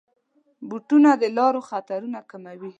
بوټونه د لارو خطرونه کموي.